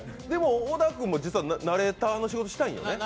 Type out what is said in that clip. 小田君も実はナレーターの仕事したいんよね。